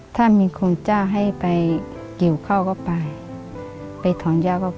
ถ้ามีคนจ้าให้ไปเกี่ยวเขาก็ไปไปท้องยาก็ไป